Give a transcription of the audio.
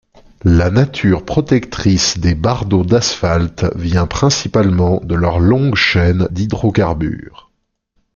La nature protectrice des bardeaux d'asphalte vient principalement de leur longue chaîne d'hydrocarbures.